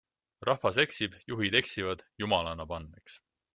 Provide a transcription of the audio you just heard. Rahvas eksib, juhid eksivad, Jumal annab andeks.